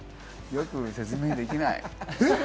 よく説明できない。